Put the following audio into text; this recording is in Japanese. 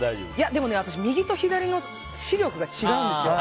でも私右と左の視力が違うんですよ。